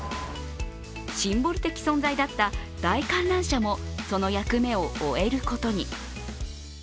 シンボル的存在だった大観覧車もその役目を終えることに。